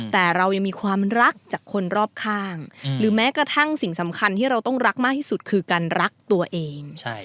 แต่เรายังมีความรักจากคนรอบข้างหรือแม้กระทั่งสิ่งสำคัญที่เราต้องรักมากที่สุดคือการรักตัวเอง